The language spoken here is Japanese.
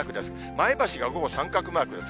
前橋が午後三角マークです。